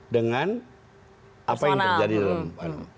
dengan apa yang terjadi dalam